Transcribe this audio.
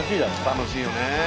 楽しいよね。